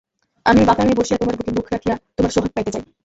আমি ঐ বাতায়নে বসিয়া তােমার বুকে মুখ রাখিয়া তােমার সােহাগ পাইতে চাই।